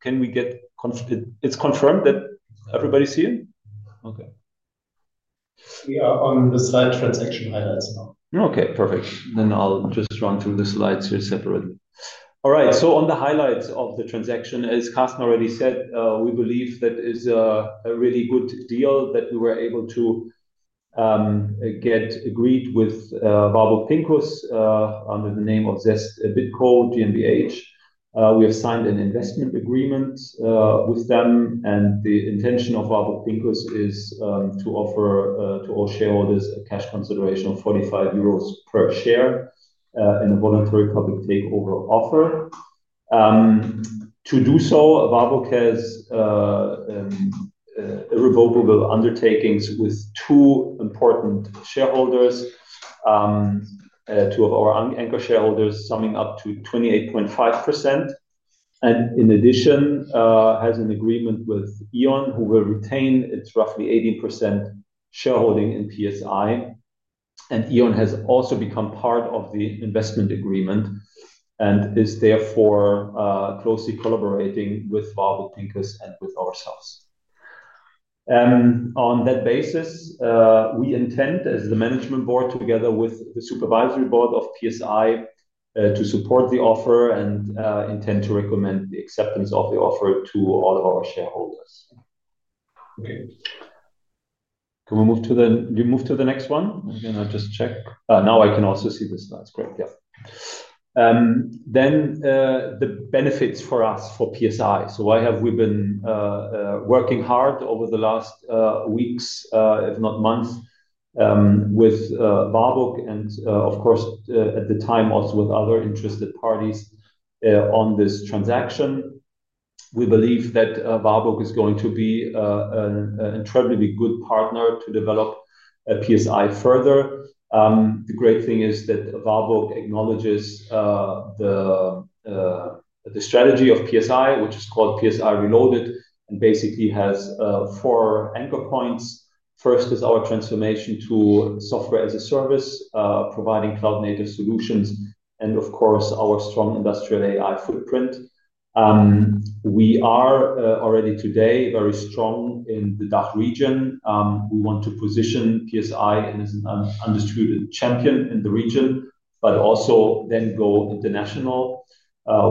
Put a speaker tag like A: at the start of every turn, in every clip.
A: Can we get it confirmed that everybody's here?
B: Okay, we are on the slide. Transaction highlights now.
A: Okay, perfect. I'll just run through the slides here separately. All right, so on the highlights of the transaction, as Karsten already said, we believe that is a really good deal that we were able to get agreed with Warburg Pincus under the name of Zest BidCo GmbH. We have signed an investment agreement with them. The intention of Warburg Pincus is to offer to all shareholders a cash consideration of 45 euros per share in a voluntary public takeover offer. To do so, Warburg has irrevocable undertakings with two important shareholders and two of our anchor shareholders, summing up to 28.5%. In addition, there is an agreement with E.ON, who will retain its roughly 18% shareholding in PSI. E.ON has also become part of the investment agreement and is therefore closely collaborating with Warburg Pincus and with ourselves. On that basis, we intend, as the Management Board, together with the Supervisory Board of PSI, to support the offer and intend to recommend the acceptance of the offer to all of our shareholders. Okay, can we move to the next one and I just check now I can also see the slides. Great. Yeah. The benefits for us, for PSI. Why have we been working hard over the last weeks, if not months, with Warburg, and of course at the time also with other interested parties on this transaction? We believe that Warburg is going to be an incredibly good partner to develop PSI further. The great thing is that Warburg acknowledges the strategy of PSI, which is called PSI Reloaded, and basically has four anchor points. First is our transformation to software-as-a-service, providing cloud-native solutions, and of course, our strong industrial artificial intelligence footprint. We are already today very strong in the DACH region. We want to position PSI as an undisputed champion in the region, but also then go international.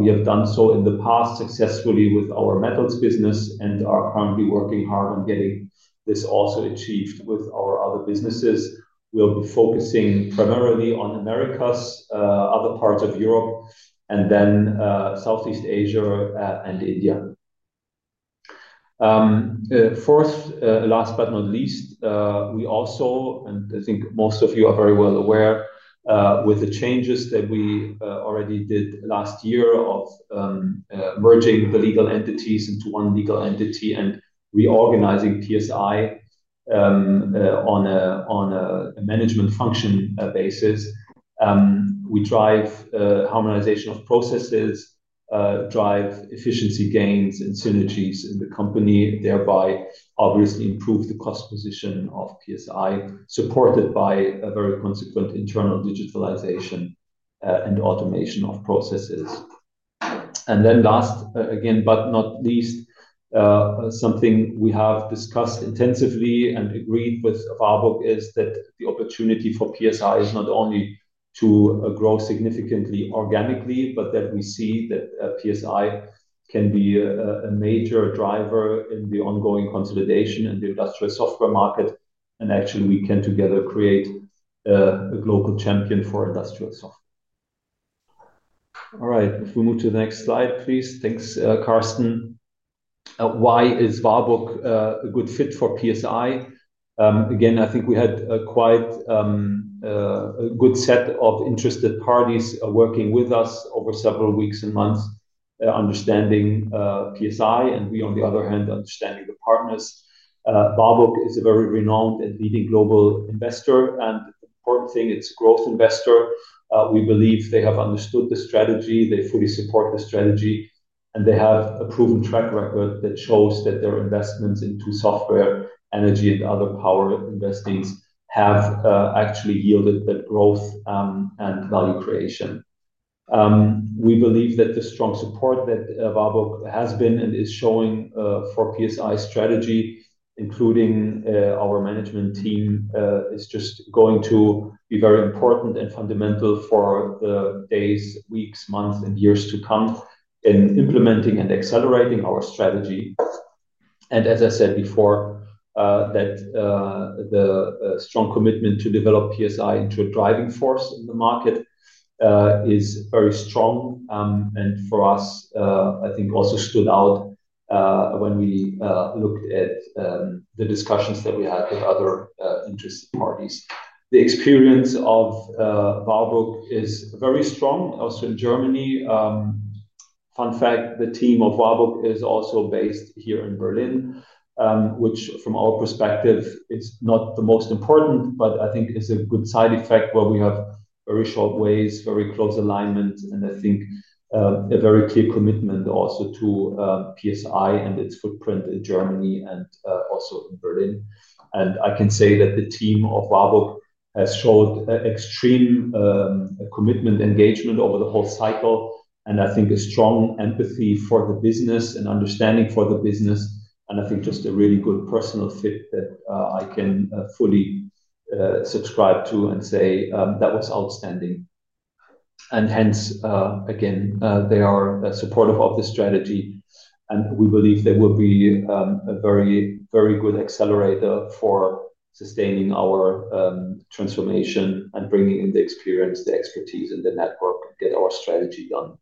A: We have done so in the past successfully with our metals business and are currently working hard on getting this also achieved with our other businesses. We'll be focusing primarily on the Americas, other parts of Europe, and then Southeast Asia and India. Fourth, last but not least, most of you are very well aware of the changes that we already did last year of merging the legal entities into one legal entity and reorganizing PSI on a management function basis. We drive harmonization of processes, drive efficiency gains and synergies in the company, thereby obviously improve the cost position of PSI, supported by a very consequent internal digitalization and automation of processes. Last, again, but not least, something we have discussed intensively and agreed with Warburg is that the opportunity for PSI is not only to grow significantly organically, but that we see that PSI can be a major driver in the ongoing consolidation in the industrial software market. Actually, we can together create a global champion for industrial software. All right, if we move to the next slide, please. Thanks, Karsten. Why is Warburg a good fit for PSI? Again, I think we had quite a good set of interested parties working with us over several weeks and months understanding PSI, and we, on the other hand, understanding the partners. Warburg is a very renowned and leading global investor. An important thing, it's a growth investor. We believe they have understood the strategy, they fully support the strategy, and they have a proven track record that shows that their investments into software, energy, and other power investments have actually yielded that growth and value creation. We believe that the strong support that Warburg has been and is showing for PSI's strategy, including our management team, is just going to be very important and fundamental for the days, weeks, months, and years to come in implementing and accelerating our strategy. As I said before, the strong commitment to develop PSI into a driving force in the market is very strong. For us, I think, it also stood out when we looked at the discussions that we had with other interested parties. The experience of Warburg is very strong also in Germany. Fun fact, the team of Warburg is also based here in Berlin, which from our perspective is not the most important, but I think is a good side effect where we have very short ways, very close alignment, and I think a very clear commitment also to PSI and its footprint in Germany and also in Berlin. I can say that the team of Warburg has showed extreme commitment, engagement over the whole cycle, and I think a strong empathy for the business and understanding for the business, and I think just a really good personal fit that I can fully subscribe to and say that was outstanding. Hence again, they are supportive of the strategy and we believe there will be a very, very good accelerator for sustaining our transformation and bringing in the experience, the expertise, and the network. Get our strategy done.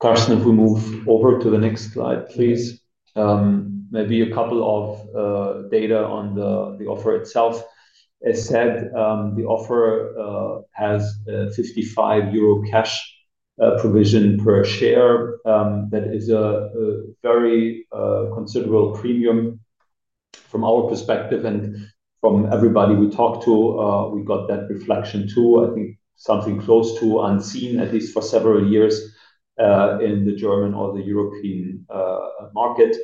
A: Karsten, if we move over to the next slide, please, maybe a couple of data on the offer itself. As said, the offer has 55 euro cash provision per share. That is a very considerable premium from our perspective and from everybody we talk to. We got that reflection too, I think something close to unseen, at least for several years in the German or the European market.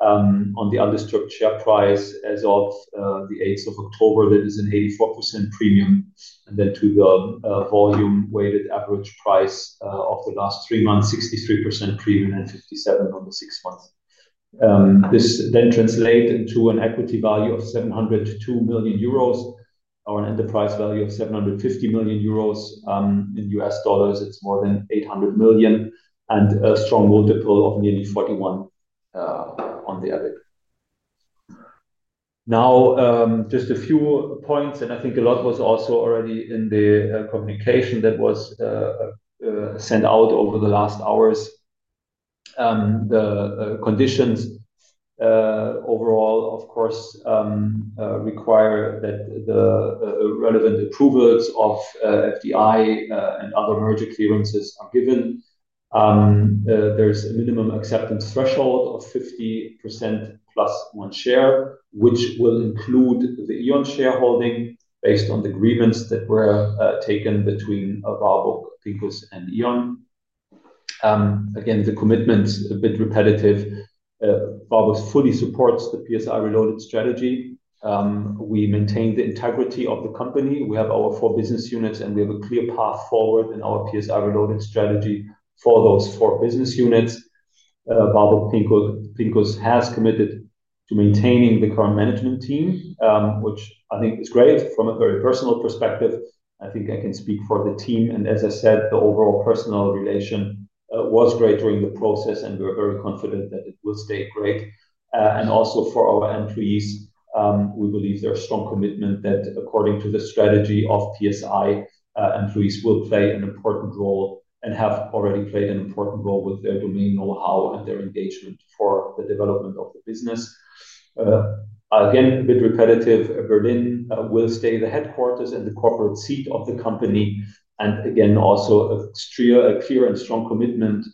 A: On the undisturbed share price as of October 8, that is an 84% premium, into the volume weighted average price of the last three months, 63% premium, and 57% on the six months. This then translates into an equity value of 702 million euros or an enterprise value of 750 million euros. In U.S. dollars, it's more than $800 million and a strong multiple of nearly 41 on the EBIT. Now, just a few points and I think a lot was also already in the communication that was sent out over the last hours. The conditions overall, of course, require that the relevant approvals of FDI and other merger clearances are given. There's a minimum acceptance threshold of 50% plus one share, which will include the E.ON shareholding based on the agreements that were taken between Warburg Pincus and E.ON. Again, the commitment a bit repetitive. Warburg fully supports the PSI Reloaded strategy. We maintain the integrity of the company. We have our four business units and we have a clear path forward in our PSI Reloaded strategy for those four business units. Warburg Pincus has committed to maintaining the current management team, which I think is great from a very personal perspective. I think I can speak for the team and as I said, the overall personal relation was great during the process and we're very confident that it will stay great. Also for our employees, we believe there's strong commitment that according to the strategy of PSI, employees will play an important role and have already played an important role with their domain know-how and their engagement for the development of the business. Again, a bit repetitive. Berlin will stay the headquarters and the corporate seat of the company. Also a clear and strong commitment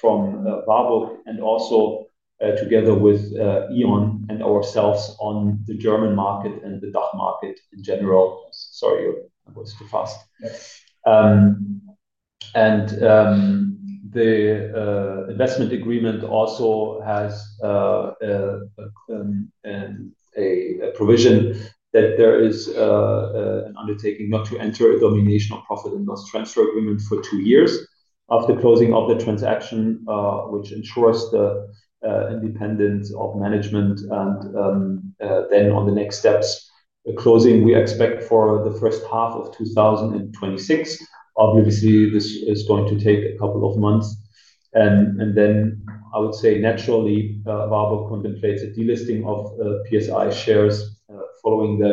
A: from Warburg. Also together with E.ON and ourselves on the German market and the DACH market in general. Sorry, I was too fast. The investment agreement also has a provision that there is an undertaking not to enter a domination of profit and loss transfer agreement for two years after closing of the transaction, which ensures the independence of management. On the next steps, closing we expect for the first half of 2026. Obviously this is going to take a couple of months and I would say naturally Warburg contemplating delisting of PSI shares following the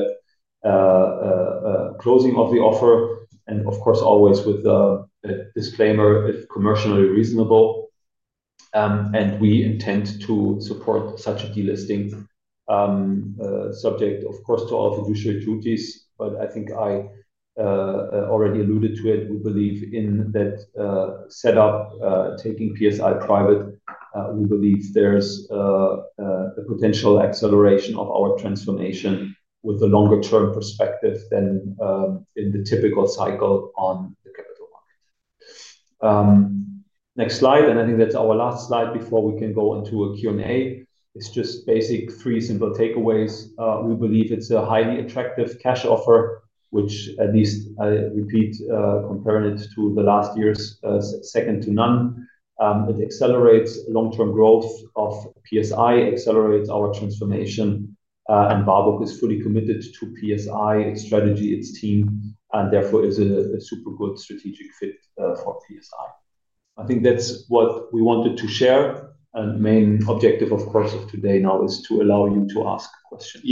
A: closing of the offer. Of course always with the disclaimer if commercially reasonable. We intend to support such a delisting subject of course to all fiduciary duties. I think I already alluded to it. We believe in that setup, taking PSI private. We believe there's a potential acceleration of our transformation with a longer term perspective than in the typical cycle on the capital market. Next slide. I think that's our last slide before we can go into a Q and A. It's just basic three simple takeaways. We believe it's a highly attractive cash offer which at least I repeat comparing it to the last year's second to none. It accelerates long-term growth of PSI, accelerates our transformation, and Warburg Pincus is fully committed to PSI, its strategy, its team, and therefore is a super good strategic fit for PSI. I think that's what we wanted to share, and the main objective of course of today now is to allow you to ask questions.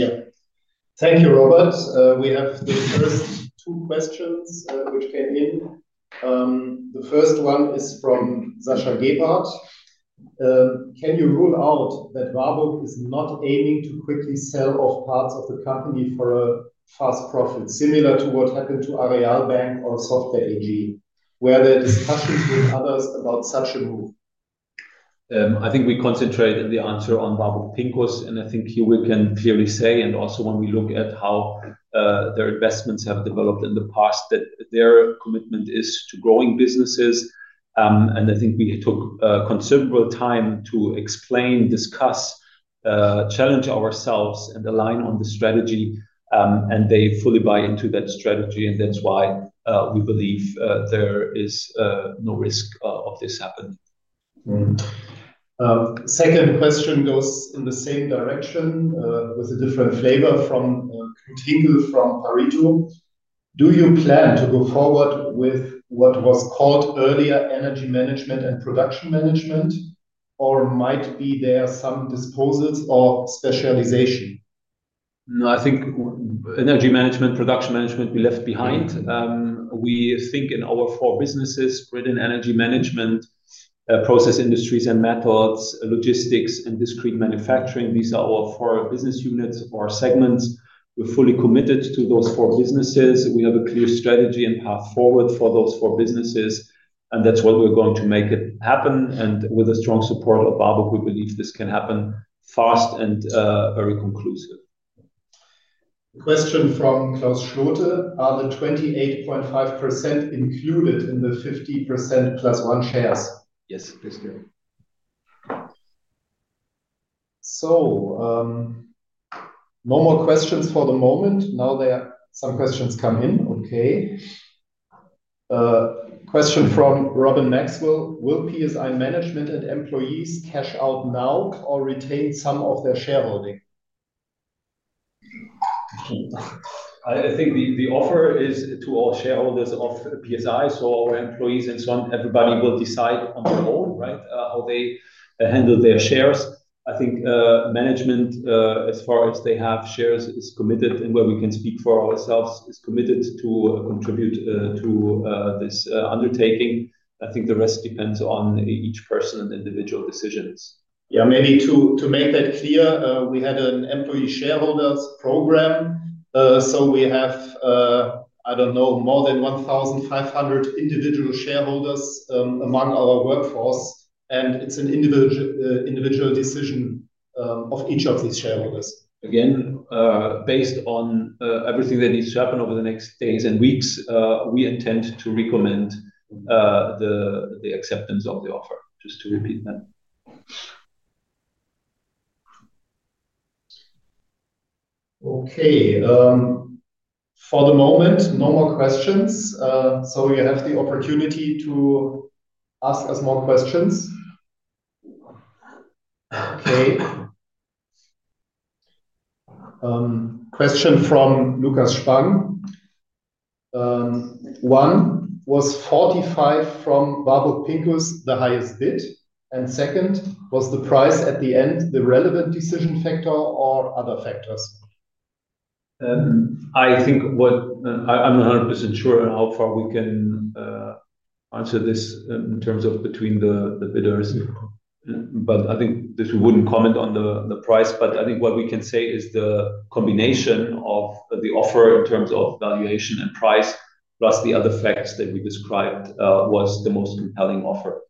B: Thank you, Robert. We have the first two questions which came in. The first one is from Sascha Gebhard. Can you rule out that Warburg is not aiming to quickly sell off parts of the company for a fast profit similar to what happened to Aareal Bank or Software AG? Were there discussions with others about such a move?
A: I think we concentrate in the answer on Warburg Pincus, and I think here we can clearly say, also when we look at how their investments have developed in the past, that their commitment is to growing businesses. I think we took considerable time to explain, discuss, challenge ourselves, and align on the strategy, and they fully buy into that strategy. That's why we believe there is no risk of this happening.
B: Second question goes in the same direction with a different flavor from [Kingle] from [Aristou]. Do you plan to go forward with what was called earlier energy management and production management, or might there be some disposals or specialization?
A: No, I think energy management, production management we left behind. We think in our four businesses: energy management, process industries and metals, logistics, and discrete manufacturing. These are all four business units or segments. We're fully committed to those four businesses. We have a clear strategy and path forward for those four businesses, and that's what we're going to make happen. With the strong support of Warburg Pincus, we believe this can happen fast. Very conclusive
B: question from Klaus Schlüter. Are the 28.5% included in the 50% plus one shares?
A: Yes, that's good.
B: No more questions for the moment. Now there are some questions coming in. Okay. Question from Robin Maxwell. Will PSI management and employees cash out now or retain some of their shareholding?
A: I think the offer is to all shareholders of PSI. So our employees and so on, everybody will decide on their own how they handle their shares. I think management, as far as they have shares, is committed, and where we can speak for ourselves, is committed to contribute to this undertaking. I think the rest depends on each person and individual decisions.
B: Maybe to make that clear, we had an employee shareholders program. We have, I don't know, more than 1,500 individual shareholders among our workforce, and it's an individual decision of each of these shareholders.
A: Again, based on everything that needs to happen over the next days and weeks, we intend to recommend the acceptance of the offer. Just to repeat that.
B: Okay. For the moment, no more questions. You have the opportunity to ask us more questions. Okay, question from Lucas [Fung]. One, was 45 from Warburg Pincus the highest bid, and second, was the price at the end the relevant decision factor or other factors?
A: I'm 100% sure how far we can answer this in terms of between the bidders, but I think this wouldn't comment on the price. I think what we can say is the combination of the offer in terms of valuation and price plus the other facts that we described was the most compelling offer.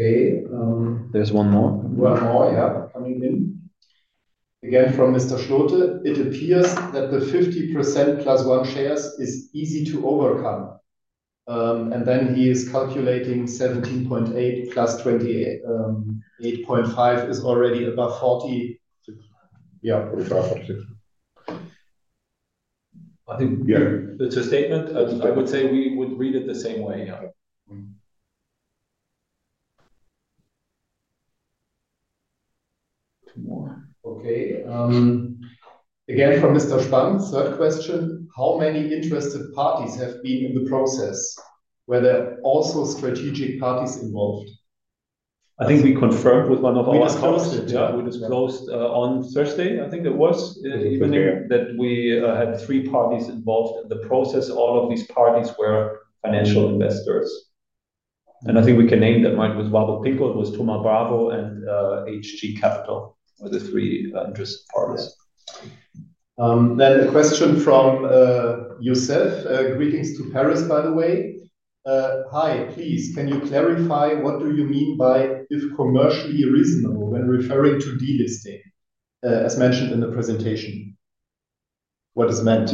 B: Okay, there's one more.
A: One more. Yeah.
B: Coming in again from Mr. Schlüter. It appears that the 50+1 shares is easy to overcome. He is calculating 17.8+28.5 is already above 46.
A: Yeah, 45-46. I think
B: It's a statement. I would say we would read it the same way, yes. Two more. Okay. Again from Mr. [Schwan]. Third question: How many interested parties have been in the process? Whether also strategic parties involved?
A: I think we confirmed with one of our closed on Thursday I think it was that we had three parties involved in the process. All of these parties were financial investors and I think we can name them, right? With Warburg Pincus, it was Thoma Bravo and Hg Capital were the three interested parties.
B: A question from Youssef. Greetings to Paris, by the way. Hi. Please can you clarify what do you mean by if commercially reasonable when referring to delisting as mentioned in the presentation? What is meant?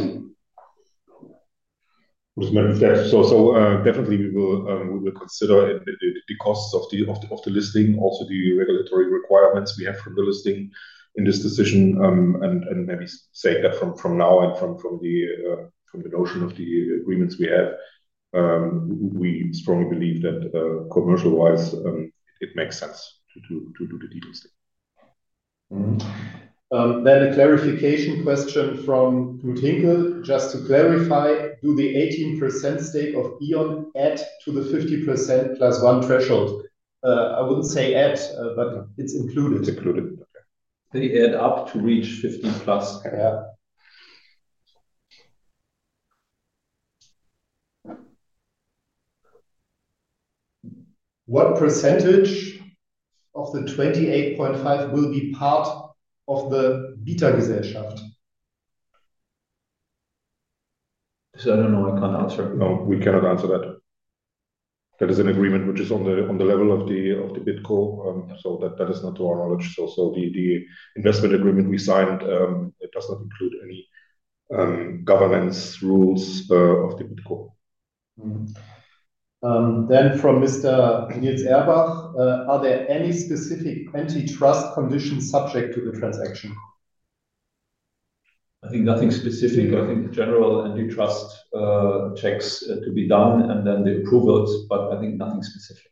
C: With that? We will definitely consider the costs of the listing. Also, the regulatory requirements we have from the listing in this decision, and maybe save that from now. and from the notion of the agreements we have, we strongly believe that commercial-wise, it makes sense to do the delisting.
B: A clarification question from [Tinka]. Just to clarify, do the 18% stake of E.ON add to the 50% plus one threshold? I wouldn't say add, but it's included.
C: It's included.
A: They add up to reach 15+.
B: What percentage of the 28.5% will be part of the Bietergesellschaft?
A: I don't know. I can't answer.
C: No, we cannot answer that. That is an agreement which is on the, on the level of the, of the BidCo. So that. That is not to our knowledge. The investment agreement we signed does not include any governance rules of the core. Then from Mr. [Dennis Erbach]. Are there any specific antitrust conditions subject to the transaction?
A: I think nothing specific. I think the general antitrust checks to be done and then the approvals, but I think nothing specific.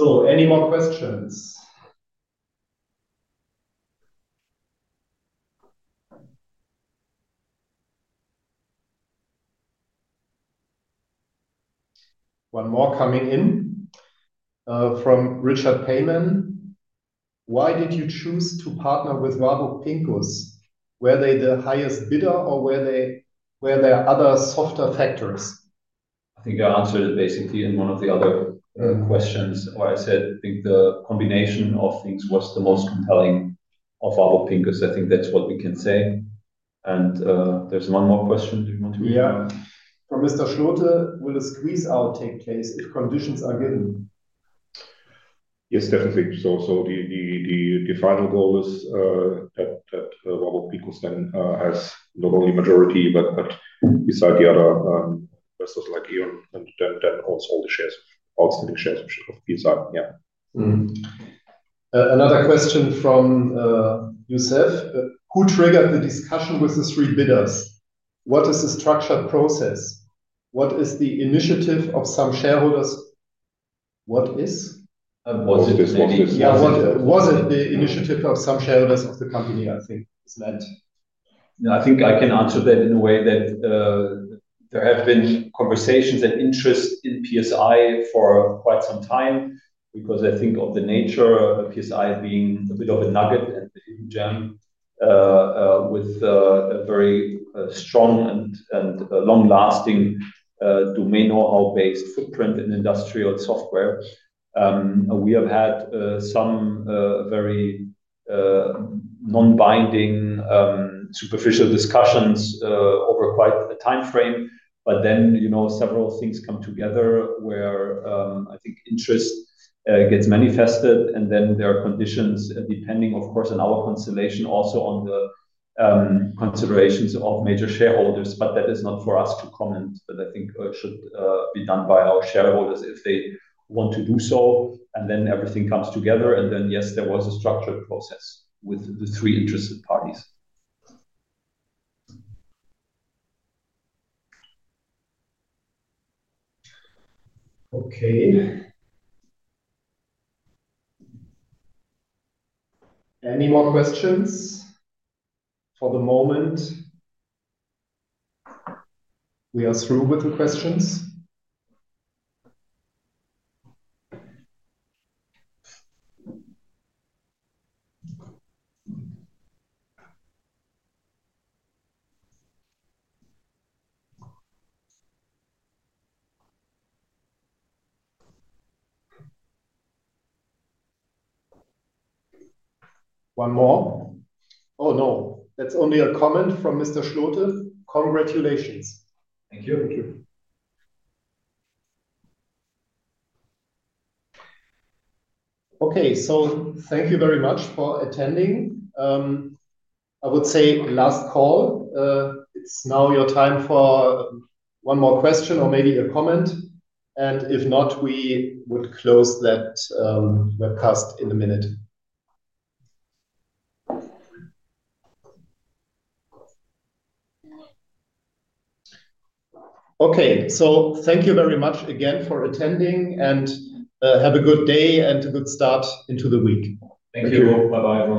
B: So any more questions? One more coming in from Richard Payman. Why did you choose to partner with Warburg Pincus? Were they the highest bidder, or were there other softer factors?
A: I think I answered it basically in one of the other questions. I said I think the combination of things was the most compelling of Warburg Pincus. I think that's what we can say. There's one more question.
B: Yeah. From Mr. Schlüter, will a squeeze out take place if conditions are given?
C: Yes, definitely. The final goal is that Warburg Pincus then has not only the majority but, beside the other investors like E.ON, then owns all the outstanding shares of PSI. Yeah.
B: Another question from Youssef. Who triggered the discussion with the three bidders? What is the structured process? What is the initiative of some shareholders? Was it the initiative of some shareholders of the company?
A: I think I can answer that in a way that there have been conversations and interest in PSI for quite some time because I think of the nature of PSI being a bit of a nugget and the hidden gem with a very strong and long-lasting domain know-how based footprint in industrial software. We have had some very non-binding superficial discussions over quite a time frame. By then, several things come together where I think interest gets manifested and then there are conditions depending of course on our constellation, also on the considerations of major shareholders. That is not for us to comment, but I think should be done by our holders if they want to do so. Everything comes together and then yes, there was a structured process with the three interested parties.
B: Okay, any more questions? For the moment we are through with the questions. One more. Oh no, that's only a comment from Mr. Schlüter. Congratulations.
A: Thank you.
B: Okay, so thank you very much for attending. I would say last call, it's now your time for one more question or maybe a comment, and if not, we would close that webcast in a minute. Okay, so thank you very much again for attending, and have a good day and a good start into the week.
A: Thank you. Bye bye.